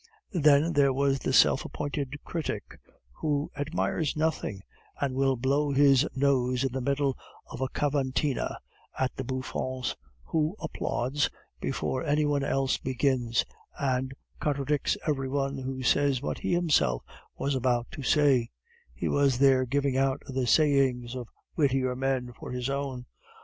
Then there was the self appointed critic who admires nothing, and will blow his nose in the middle of a cavatina at the Bouffons, who applauds before any one else begins, and contradicts every one who says what he himself was about to say; he was there giving out the sayings of wittier men for his own.